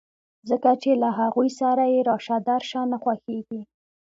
ځکه چې له هغوی سره يې راشه درشه نه خوښېږي.